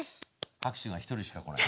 拍手が１人しかこない。